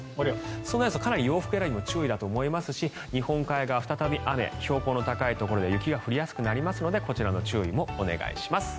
そうなりますと洋服選びも注意だと思いますし日本海側再び雨標高の高いところで雪が降りやすくなりますのでこちらの注意もお願いします。